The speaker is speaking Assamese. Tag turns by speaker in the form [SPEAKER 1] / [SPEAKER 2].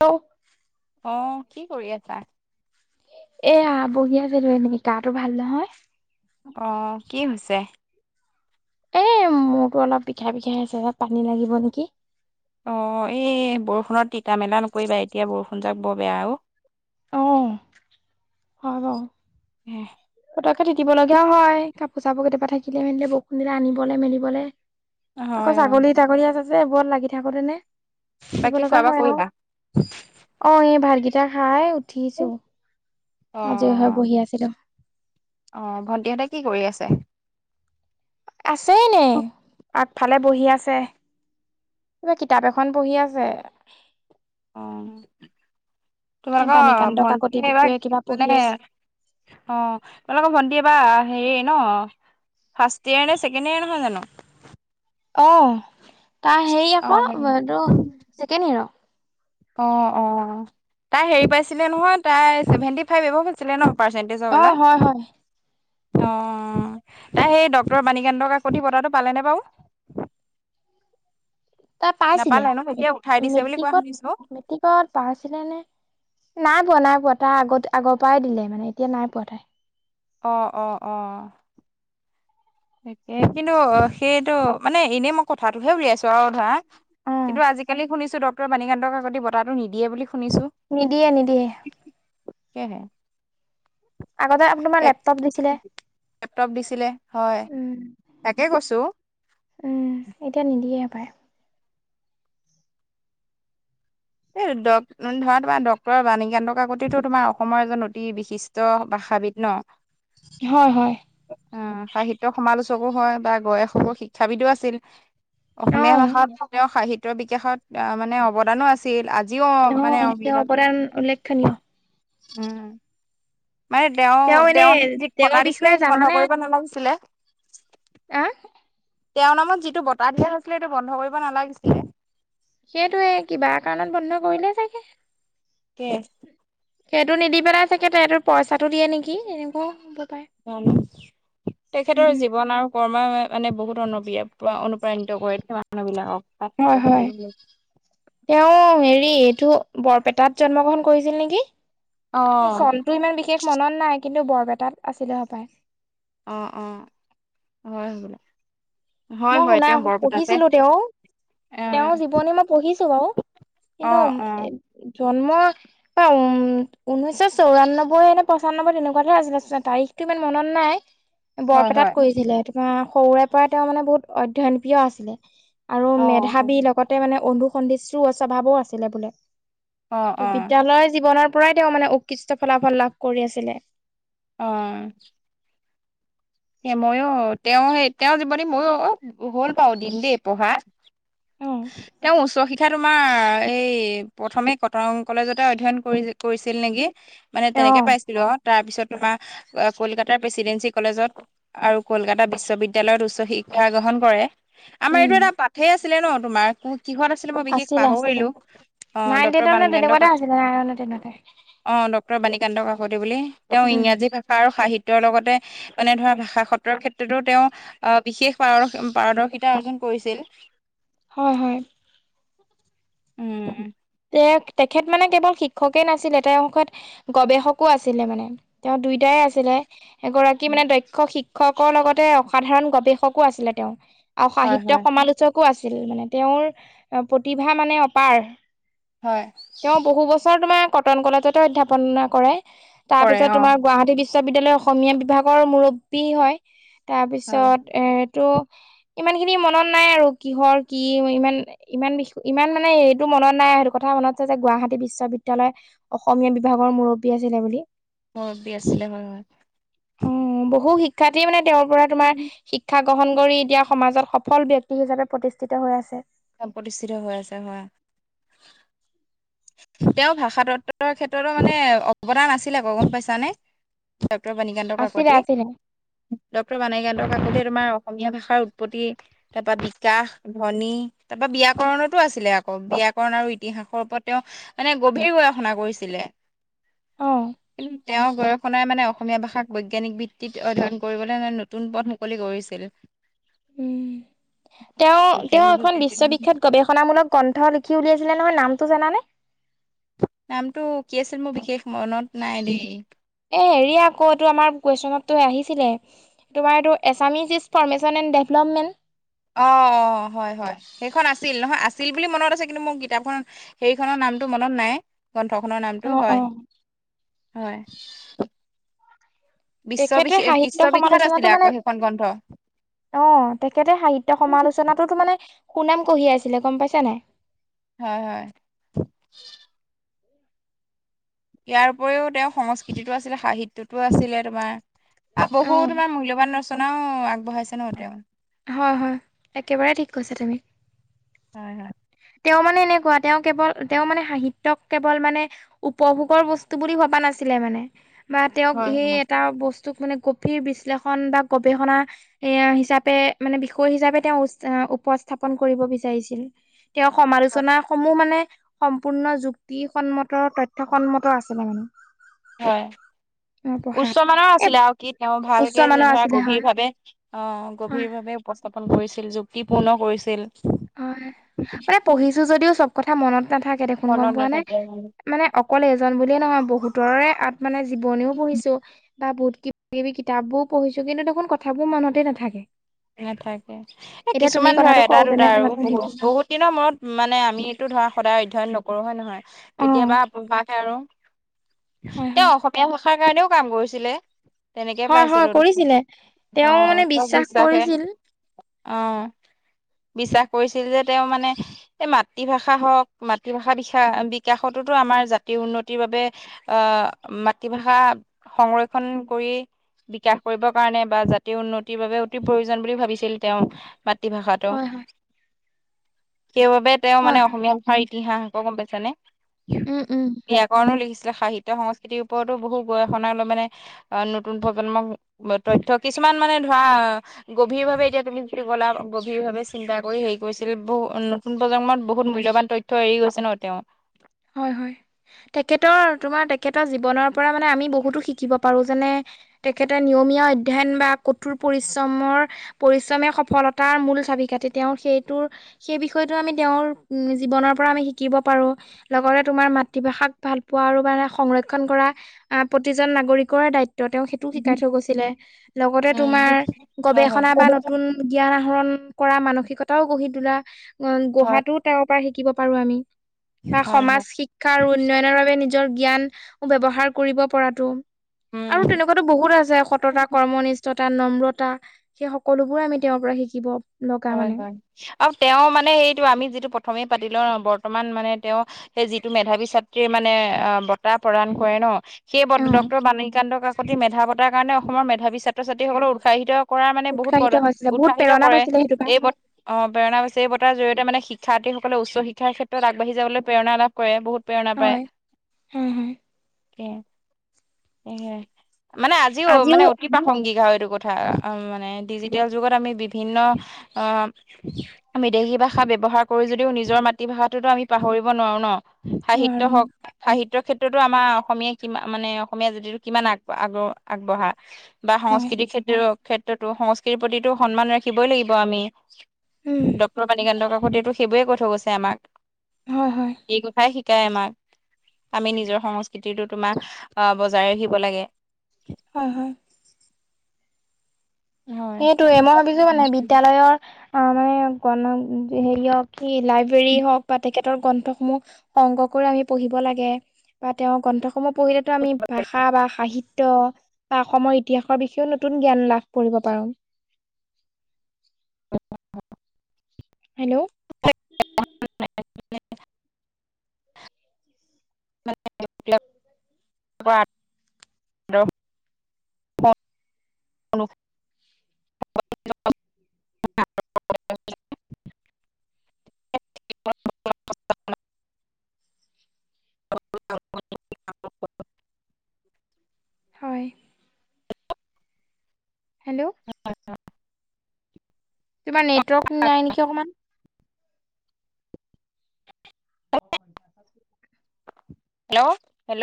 [SPEAKER 1] হেল্ল'
[SPEAKER 2] অ', কি কৰি আছা?
[SPEAKER 1] এয়া, বহী আছিলোঁ এনেই, গাটো ভাল নহয়।
[SPEAKER 2] অ', কি হৈছে?
[SPEAKER 1] এ মূৰতো অলপ বিষাই-বিষাই আছে, পানী লাগিব নেকি।
[SPEAKER 2] অ', এই বৰষুণত তিতা-মেলা নকৰিবা। এতিয়া বৰষুণ যাক বৰ বেয়া অ'।
[SPEAKER 1] অ', হয় বাৰু।
[SPEAKER 2] উম্,
[SPEAKER 1] পতকে তিতিব লগাও হয়। কাপোৰ-চাপোৰ কেতিয়াবা থাকিলে মেলিলে, বৰষুণ দিলে আনিবলৈ মেলিবলৈ। আকৌ
[SPEAKER 2] হয় অ
[SPEAKER 1] ছাগলী-টাগলী আছে যে, এইবোৰত লাগি থাকোতে নে। টিটিব
[SPEAKER 2] বাকী
[SPEAKER 1] লগা
[SPEAKER 2] খোৱা বোৱা
[SPEAKER 1] হয় আৰু
[SPEAKER 2] কৰিলা
[SPEAKER 1] অ', এই ভাতকেইটা খাই উঠিছোঁ।
[SPEAKER 2] অ', অ', ভণ্টিহঁতে কি কৰি আছে?
[SPEAKER 1] আছেই নে। ফালে বহি আছে। কিবা কিতাপ এখন বঢহি আছে।
[SPEAKER 2] অ'
[SPEAKER 1] এই
[SPEAKER 2] তোমালোকৰ
[SPEAKER 1] বাণীকান্ত কাকতি
[SPEAKER 2] ভণ্টি বা
[SPEAKER 1] বিষয়ে কিবা পঢ়ি
[SPEAKER 2] মানে
[SPEAKER 1] আছে
[SPEAKER 2] অ' তোমালোকৰ ভণ্টি এবাৰ হেৰি ন ফাৰ্ট ইয়াৰেকেণ্ড ইয়াৰ নহয় জানো?
[SPEAKER 1] অ' তাৰ হেৰি
[SPEAKER 2] অ
[SPEAKER 1] আকৌ এইটো চেকিন হিৰৈ।
[SPEAKER 2] অ', অ, তাই হেৰি পাইছিলে নহয় তাই ছেভেণ্টি ফাইভ এভ ছিলে ন পাৰ্চেন্টেজ
[SPEAKER 1] অ
[SPEAKER 2] বলাক।
[SPEAKER 1] হয় হয়
[SPEAKER 2] অ'তাই সেই ড্টৰ বাণীকানন্দ কাকতি পতাটো পালেনে বাৰু?
[SPEAKER 1] তাৰ পাইছিলে
[SPEAKER 2] নাপালে ন এতিয়া উঠাই দিছে বুলি কোৱা শুনিছো
[SPEAKER 1] মেট্ৰিকত টিকট পাইছিলে নে নাই পোৱা নাই পোৱা তাই আগতে আগৰ পৰাই দিলে মানে এতিয়া নাই পোৱা তাই।
[SPEAKER 2] অঁ, অঁ, অঁ। তাকে কিন্তু সেইটো মানে এনেই মই কথাটোহে উলিয়াইছো আৰু ধৰা
[SPEAKER 1] অ
[SPEAKER 2] কিন্তু আজিকালি শুনিছো ডক্তৰ বাণীকান্তক আগতে বতটাটো নিদিয়ে বুলি শুনিছো।
[SPEAKER 1] নিদিয়ে, নিদিয়ে।
[SPEAKER 2] ক হে
[SPEAKER 1] আগতে আপু তমাৰ লেপটপ দিছিলে।
[SPEAKER 2] লেপটপ দিছিলে হয়,
[SPEAKER 1] উম
[SPEAKER 2] তাকে কৈছো।
[SPEAKER 1] এতিয়া নিদিয়ে পাৰে।
[SPEAKER 2] এই ড ধৰা তোমাৰ ডক্টৰ বাণীকান্ত কাকতিটো তোমাৰ অসমৰ এজন অতি বিশিষ্ট ভাষাবিদ ন। [inaudible]
[SPEAKER 1] হয়, হয়।
[SPEAKER 2] অ সাহিত্্যৰ সমালোচকো হয় বা গয়েসকল শিক্ষাবিদো আছিল।
[SPEAKER 1] অ
[SPEAKER 2] অসমীয়া ভাষাত তেওঁৰ সাহিত্্যৰ বিকাশত মানে অৱদানো আছে। আজিও অ মানে অ
[SPEAKER 1] তেওঁৰ
[SPEAKER 2] বিল,
[SPEAKER 1] অৱদান উল্লেখনীয়
[SPEAKER 2] উম। মানে দেও
[SPEAKER 1] তেওঁ এনে
[SPEAKER 2] দেও যি
[SPEAKER 1] তেওঁৰ
[SPEAKER 2] বটা দিছিলে
[SPEAKER 1] বিষয়ে
[SPEAKER 2] সেই বন্ধ
[SPEAKER 1] জানানে
[SPEAKER 2] কৰিব নালাগিছিলে।
[SPEAKER 1] অ।
[SPEAKER 2] তেওঁৰ নামত যিটো বটাাহ দিয়া হৈছিলে সেইটো বন্ধ কৰিব নালাগিছিলে।
[SPEAKER 1] সেইটোয়ে কিবা কাৰণত বন্ধ কৰিলে চাগে।
[SPEAKER 2] কে
[SPEAKER 1] সেইটো নিদি পেলাই চাগে তটো পইচাটো দিয়ে নেকি এনেকুৱাও হ'ব পাৰে।
[SPEAKER 2] তেখেতৰ
[SPEAKER 1] উম
[SPEAKER 2] জীৱন আৰু কৰ্ম মানে বহুত অনু্ৰিয়-অনুপ্ৰাণিত কৰে মানুহ বিলাকক। ছাত্ৰ
[SPEAKER 1] হয়, হয়।
[SPEAKER 2] ছাত্ৰীক
[SPEAKER 1] তেওঁ হেৰি এইটো বৰপেটাত জন্ম গ্ৰহণ কৰিছিল নেকি?
[SPEAKER 2] অ
[SPEAKER 1] চনতটো ইমান বিশেষ মনত নাই কিন্তু বৰপেটাত আছিলে সপায়।
[SPEAKER 2] অ', অ, হয় হ'বলা। হয়
[SPEAKER 1] মই
[SPEAKER 2] হয়
[SPEAKER 1] শুনা
[SPEAKER 2] তেওঁ বৰপেটাতে
[SPEAKER 1] পঢ়িছিলো তেওঁ।
[SPEAKER 2] অ
[SPEAKER 1] তেওঁৰ জীৱনেী মই পঢ়িছো বাৰু
[SPEAKER 2] অ অ
[SPEAKER 1] কিন্তু জন্ম অ, উম ঊনৈশ চৌৰান্নবৈ এ নে পঁচান্নব্বৈ তেনেকুৱ ধে আছিলে তাৰিখতটো ইমান মনত নাই।
[SPEAKER 2] হয়
[SPEAKER 1] বৰপেটাত
[SPEAKER 2] হয়
[SPEAKER 1] কৰিছিলে ত সৰুৰে পৰা তেওঁ মানে বহুত অধ্য়ন প্ৰিয় আছিলে। আৰু
[SPEAKER 2] অ হয়।
[SPEAKER 1] মেধাৱীৰ লগতে মানে অন্ধুসধৃশ্যো স্বভাৱো আছিলে বোলে।
[SPEAKER 2] অ অ
[SPEAKER 1] বিদ্যালয় জীৱনৰ পৰাই তেওঁ মানে উৎকৃষ্ট ফলাফল লাভ কৰি আছিলে।
[SPEAKER 2] অ। স ময়ো তেওঁ সেই তেওঁ জীৱনী মইো অ হ'ল পাও দম দেই পঢ়া।
[SPEAKER 1] অ
[SPEAKER 2] উ। তেওঁ উচ্চ শিক্ষা তোমাৰ এই প্ৰথমে কটং কলেজতে অধ্যয়ন কৰি-কৰিছিল নেকি? মানে
[SPEAKER 1] অঁ
[SPEAKER 2] তেনেকে পাইছিলো আৰু তাৰ পিছত তোমাৰ কলকাতাৰ প্ৰেচিডেঞ্চি কলেজত আৰু কলকাতা বিশ্ববিদ্যালয়ত উচ্চ শিক্ষা গ্ৰহণ কৰে আমাৰ এইটো
[SPEAKER 1] উম
[SPEAKER 2] এটা পাঠেই আছে। ছিলে ন তোমাৰ কোত কিহত আছিলো মই বিশেষ
[SPEAKER 1] আছিলে আছিলে
[SPEAKER 2] পাহৰিলো অ
[SPEAKER 1] নাইন
[SPEAKER 2] ডক্তৰ
[SPEAKER 1] টেনত নে
[SPEAKER 2] বাণীকান্ত
[SPEAKER 1] তেনেকুৱাতে
[SPEAKER 2] কাকতি
[SPEAKER 1] আছিলে নাইন নে টেনতে
[SPEAKER 2] অ ডক্তৰ বাণীকান্ত কাকতি বুলি তেওঁ
[SPEAKER 1] উম
[SPEAKER 2] ইংৰাজী ভাষা আৰু সাহিত্যৰ লগতে মানে ধৰা ভা ভাষাতত্ত্বৰ ক্ষেত্ৰতো তেওঁ আহ বিশেষ পাৰ পাৰদৰ্শিতা অৰ্জন কৰিছিল।
[SPEAKER 1] হয় হয়।
[SPEAKER 2] উম।
[SPEAKER 1] তে তেখেত মানে কেৱল শিক্ষকেই নাছিলে তেখেত গৱেষকো আছিলে মানে। তেওঁ দুইটায়ে আছিলে এগৰাকী মানে দক্ষ শিক্ষ শিক্ষকৰ লগতে অসাধাৰণ গৱেষকো আছিলে তেওঁ আৰু
[SPEAKER 2] হয়
[SPEAKER 1] সাহিত্য
[SPEAKER 2] হয়
[SPEAKER 1] সমালোচক কো আছিল মানে তেওঁৰ প্ৰতিভা মানে অপাৰ।
[SPEAKER 2] হয়।
[SPEAKER 1] তেওঁ বহু বছৰ তোমাৰ কটন কলেজতে অধ্যাপনা কৰে তাৰ
[SPEAKER 2] কৰে
[SPEAKER 1] পিছত
[SPEAKER 2] অ
[SPEAKER 1] তোমাৰ গুৱাহাটী বিশ্ব বিশ্ববিদ্যালয়ৰ অসমীয়া বিভাগৰ মুৰব্বী হয়
[SPEAKER 2] হয়।
[SPEAKER 1] তাৰপিছত এইটো ইমানখিনি মনত নাই আৰু কিহৰ কি ইমান ইমান ইমান মানে এইটো মনত নাই আৰু সেইটো কথা মনত আছে যে গুৱাহাটী বিশ্ববিদ্যালয়ৰ অসমীয়া বিভাগৰ মুৰব্বী আছিলে বুলি।
[SPEAKER 2] মুৰব্বী আছিলে হয় হয়।
[SPEAKER 1] অ অ বহু শিক্ষাৰ্থীয়ে মানে তেওঁৰ পৰা তোমাৰ শিক্ষা গ্ৰহণ কৰি এতিয়া সমাজত সফল ব্যক্তি হিচাপে প্ৰতিষ্ঠিত হৈ আছে।
[SPEAKER 2] প্ৰতিষ্ঠিত হৈ আছে হয়। তেওঁ ভাষাতত্বৰ ক্ষেত্ৰতো মানে অৱদান আছিলে আকৌ গম পাইছানে ডক্তৰ বাণিকান্ত
[SPEAKER 1] আছিলে
[SPEAKER 2] কাকতি?
[SPEAKER 1] আছিলে
[SPEAKER 2] ডক্তৰ বাণীকান্ত কাকতিয়ে তোমাৰ অসমীয়া ভাষাৰ উৎপত্তি, তাৰ পৰা বিকাশ, ধ্বনি তাৰ পৰা ব্যাকৰণতো আছিলে আকৌ ব্যাকৰণ আৰু ইতিহাসৰ ওপৰত তেওঁ মানে গভীৰ গৱেষণা কৰিছিলে
[SPEAKER 1] অ
[SPEAKER 2] কিন্তু তেওঁ গৱেষণাই মানে অসমীয়া ভাষাক বৈজ্ঞানিক ভিত্তিত অধ্যয়ন কৰিবলৈ মানে নতুন পথ মুকলি কৰিছিল। [inaudible]
[SPEAKER 1] উম তেওঁ তেওঁ এখন
[SPEAKER 2] বৈজ্ঞানিক
[SPEAKER 1] বিশ্ববিখ্যাত গৱেষ ণামূলক গ্ৰন্থ লিখি উলিয়াইছিলে নহয় নামটো জানানে?
[SPEAKER 2] নামটো কি আছিল মোৰ বিশেষ মনত নাই দেই।
[SPEAKER 1] এ হেৰি আকৌ এইটো আমাৰ কুৱেশনতটো আহিছিলে। তোমাৰ এইটো Assamese its formation and development.
[SPEAKER 2] অ অ হয় হয় সেইখন আছিল নহয় আছিল বুলি মনত আছে কিন্তু মোৰ কিতাপখন হেৰিখনৰ নামটো মনত নাই গ্ৰন্থখনৰ নামটো
[SPEAKER 1] অ
[SPEAKER 2] হয়
[SPEAKER 1] অ
[SPEAKER 2] হয়। বিশ্ববি
[SPEAKER 1] তেখেতে সাহিত্য
[SPEAKER 2] বিশ্ববিখ্যাত
[SPEAKER 1] সমালোচনাটো
[SPEAKER 2] আছিলে
[SPEAKER 1] মানে
[SPEAKER 2] আকৌ সেইখন গ্ৰন্থ
[SPEAKER 1] অ তেখেতে সাহিত্য সমালোচনাটো মানে সুনাম কঢ়িয়াইছিলে গম পাইছা নাই?
[SPEAKER 2] হয় হয়। ইয়াৰ উপৰিও তেওঁ সংস্কৃতিটো আছিলে, সাহিত্যটো আছিলে তোমাৰ আৰু
[SPEAKER 1] অ
[SPEAKER 2] বহু তোমাৰ মূল্যবান ৰচনাও আগবঢ়াইছে ন তেওঁ।
[SPEAKER 1] হয় হয় একেবাৰে ঠিক কৈছা তুমি।
[SPEAKER 2] হয় হয়।
[SPEAKER 1] তেওঁ মানে এনেকুৱা তেওঁ কেৱল তেওঁ মানে সাহিত্যক কেৱল মানে উপভোগৰ বস্তু বুলি ভবা নাছিলে মানে বা তেওঁক
[SPEAKER 2] হয়
[SPEAKER 1] সেই
[SPEAKER 2] হয়
[SPEAKER 1] এটা বস্তু স্তুক মানে গভীৰ বিশ্লেষণ বা গৱেষণা এ হিচাপে মানে বিষয় হিচাপে তেওঁ উপস্থাপন কৰিব বিচাৰিছিল তেওঁ সমালোচনা সমূহ মানে সম্পূৰ্ণ যুক্তিসন্মত, তথ্যসন্মত আছিলে মানে।
[SPEAKER 2] হয়।
[SPEAKER 1] অ পঢ়াত
[SPEAKER 2] উচ্চমানৰ
[SPEAKER 1] এ
[SPEAKER 2] আছিলে আৰু কি তেওঁ
[SPEAKER 1] উচ্চ
[SPEAKER 2] ভালকে
[SPEAKER 1] মানৰ
[SPEAKER 2] যে ধৰা
[SPEAKER 1] আছিলে হয়
[SPEAKER 2] গভীৰভাৱে অ
[SPEAKER 1] হয়
[SPEAKER 2] গভীৰভাৱে উপস্থাপন কৰিছিল, যুক্তিপূৰ্ণ কৰিছিল।
[SPEAKER 1] হয় মানে পঢ়িছো যদিও চব কথা মনত নাথাকে দেখোন গম
[SPEAKER 2] মনত
[SPEAKER 1] পোৱা নে।
[SPEAKER 2] নাথাকে
[SPEAKER 1] মানে অকল এজন বুলিয়ে নহয় বহুতৰে আত মানে জীৱনীও পঢ়িছো বা বহুত কিবা কিবি কিতাপবোৰ পঢ়িছো কিন্তু দেখোন কথাবোৰ মনতেই নাথাকে।
[SPEAKER 2] নাথাকে এ
[SPEAKER 1] এতিয়া তুমি
[SPEAKER 2] কিছুমান ধৰা
[SPEAKER 1] কথাটো
[SPEAKER 2] এটা
[SPEAKER 1] কওঁতেনে
[SPEAKER 2] দুটা আৰু
[SPEAKER 1] মনত পৰিছে
[SPEAKER 2] বহুত বহুত দিনৰ মূৰত মানে আমি এইটো ধৰা সদায় অধ্যয়ন নকৰোঁ হয় নহয়।
[SPEAKER 1] অ
[SPEAKER 2] কেতিয়াবা প্ৰভাসে আৰু
[SPEAKER 1] হয়
[SPEAKER 2] তেওঁ
[SPEAKER 1] হয়
[SPEAKER 2] অসমীয়া ভাষাৰ কাৰণেও কাম কৰিছিলে। তেনেকে
[SPEAKER 1] হয় হয়
[SPEAKER 2] পাইছিলো
[SPEAKER 1] কৰিছিলে তেওঁ
[SPEAKER 2] অ',
[SPEAKER 1] মানে
[SPEAKER 2] ত বিশ্বাস
[SPEAKER 1] কৰিছিল
[SPEAKER 2] অ', বিশ্বাস কৰিছিল যে তেওঁ মানে এই মাতৃভাষা হওক মাতৃভাষা বি বিকাশতোতো আমাৰ জাতিৰ উন্নতিৰ বাবে আহ মাতৃভাষা সংৰক্ষণ কৰি বিকাশ কৰিবৰ কাৰণে বা জাতীয় উন্নতিৰ বাবে অতি প্ৰয়োজন বুলি ভাবিছিল তেওঁ মাতৃভাষাটো,
[SPEAKER 1] হয় হয়
[SPEAKER 2] সেইবাবে তেওঁ
[SPEAKER 1] হয়
[SPEAKER 2] মানে
[SPEAKER 1] হয়
[SPEAKER 2] অসমীয়া ভাষাৰ ইতিহাস আকৌ গম পাইছানে?
[SPEAKER 1] উম উম
[SPEAKER 2] কণ লিখিছিলে সাহিত্য সংস্কৃতিৰ ওপৰতো বহু গৱেষণা মানে অ', নতুন প্ৰজন্মক তথ্য কিছুমান মানে ধৰা গভীৰ ভাৱে এতিয়া তুমি যদি গ'লা গভীৰ ভাৱে চিন্তা কৰি হেৰি কৰিছিল বহু পোন প্ৰজন্মত বহুত মূল্যবান তথ্য এৰি গৈছে ন তেওঁ।
[SPEAKER 1] হয় হয় তেখেতৰ তোমাৰ তেখেতৰ জীৱনৰ পৰা মানে আমি বহুতো শিকিব পাৰোঁ যেনে তেখেতে নিয়মীয়া অধ্যয়ন বা কঠোৰ পৰিশ্ৰমৰ পৰিশ্ৰমে সফলতাৰ মূল চাবি কাটি তেওঁৰ সেইটোৰ সেই বিষয়টো আমি তেওঁৰ জীৱনৰ পৰা আমি শিকিব পাৰো। লগতে তোমাৰ মাতৃভাষাক ভালপোৱা আৰু মানে সংৰক্ষণ কৰা আহ প্ৰতিজন নাগৰিকৰৰে দায়িত্ব তেওঁ সেইটো
[SPEAKER 2] উম
[SPEAKER 1] শিকাই থৈ গৈছিলে লগতে তোমাৰ
[SPEAKER 2] হয় হয়
[SPEAKER 1] গৱেষণা বা নতুন জ্ঞান আহৰণ কৰা মানসিকতাও গঢ়ি তোলা
[SPEAKER 2] হয়
[SPEAKER 1] গহাটোত তেওঁৰ পৰা শিকিব পাৰো আমি। বা
[SPEAKER 2] হয়
[SPEAKER 1] সমাজ
[SPEAKER 2] হয়
[SPEAKER 1] শিক্ষা আৰু উন্নয়নৰ বাবে নিজৰ জ্ঞান ব্যৱহাৰ কৰিব পৰাটো।
[SPEAKER 2] উম
[SPEAKER 1] আৰু তেনেকুৱাতো বহুত আছে সততা কৰ্মনিষ্ঠতা তা নম্ৰতা সেই সকলোবোৰ আমি তেওঁৰ পৰা শিকিব লগা
[SPEAKER 2] হয়
[SPEAKER 1] মানে
[SPEAKER 2] হয় আৰু তেওঁ মানে সেইটো আমি যিটো প্ৰথমেই পাতি লওঁ বৰ্তমান মানে তেওঁ সেই যিটো মেধাৱী ছাত্ৰীয়ে মানে আহ বঁটা প্ৰদান কৰে ন' সেই ব
[SPEAKER 1] অ
[SPEAKER 2] ডক্তৰ বাণীকান্ত কাকতি মেধা বতাৰ কাৰণে অসমৰ মেধাৱী ছাত্ৰ ছাত্ৰীসকলক উৎসাহিত কৰা মানে বহুত
[SPEAKER 1] উৎসাহিত হৈছিলে বহুত
[SPEAKER 2] উৎসাহিত
[SPEAKER 1] প্ৰেৰণা
[SPEAKER 2] কৰে।
[SPEAKER 1] পাইছিলে সেইটো পৰা
[SPEAKER 2] এই অ', প্ৰেৰণা হৈছে, এই বঁটা জৰিয়তে মানে শিক্ষাৰ্থীসকলে উচ্চ শিক্ষাৰ ক্ষেত্ৰত আগবাঢ়ি যাবলৈ প্ৰেৰণা লাভ কৰে বহুত প্ৰেৰণা পায়,
[SPEAKER 1] হয় হয় হয়
[SPEAKER 2] হম হেয়া। মানে আজিও মানে অতি প্ৰাসংগিকা হয় এইটো কথা মানে ডিজিটেল যুগত আমি বিভিন্ন অ', বিদেশী ভাষা ব্যৱহাৰ কৰো যদিও নিজৰ মাতৃভাষাটোতো আমি পাহৰিব নোৱাৰো ন'। সাহিত্য
[SPEAKER 1] আৰু
[SPEAKER 2] হওক সাহিত্যৰ ক্ষেত্ৰতো আমাৰ অসমীয়া কি মানে অসমীয়া জাতিটো কিমান আগ আগবঢ়া। বা
[SPEAKER 1] হয়
[SPEAKER 2] সংস্কৃতিক ক্ৰ ক্ষেত্ৰতো সংস্কৃতিৰ প্ৰতিটো সন্মান ৰাখিবই লাগিব আমি।
[SPEAKER 1] উম
[SPEAKER 2] ডক্টৰ বাণীকান্ত কাকতিয়ে সেইবোৰে কৈ থৈ গৈছে আমাক।
[SPEAKER 1] হয় হয়।
[SPEAKER 2] এই কথাই শিকাই আমাক আমি নিজৰ সংস্কৃতিটো তোমাক বজাই ৰাখিব লাগে।
[SPEAKER 1] হয় হয়।
[SPEAKER 2] হয়
[SPEAKER 1] সেইটয়ে মই ভাবিছো মানে বিদ্যালয়ৰ অ মানে গণ হেৰিয় লাইব্ৰেৰী হওক বা তে খেতৰ গ্ৰন্থসমূহ সংগ্ৰ কৰি আমি পঢ়িব লাগে বা তেওঁৰ গ্ৰন্থসমূহ পঢ়িলেতো আমি ভাষা ভাষা বা সাহিত্য বা অসমৰ ইতিহাসৰ বিষয়ও নতুন জ্ঞান লাভ কৰিব পাৰো।
[SPEAKER 2] [unintelligible]
[SPEAKER 1] হেল্ল'?
[SPEAKER 2] [unintelligible]
[SPEAKER 1] [unintelligible]
[SPEAKER 2] [unintelligible] [unintelligible] [unintelligible]
[SPEAKER 1] হয়। হেল্ল'।
[SPEAKER 2] হয়।
[SPEAKER 1] তোমাৰ নেটৱৰ্ক নাই নেকি অকণমান।
[SPEAKER 2] হেল্ল'। হেল্ল'